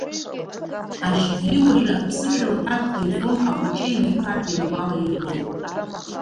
Ажьгьери уажәы аԥсышәала аҭак ҟаиҵон, ахәыҷы еиликаартә инапала ирбо.